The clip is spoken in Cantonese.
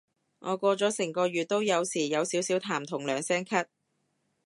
我過咗成個月都有時有少少痰同兩聲咳